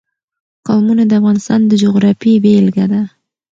قومونه د افغانستان د جغرافیې بېلګه ده.